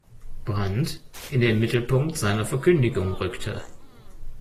Brandt, in den Mittelpunkt seiner Verkündigung rückte.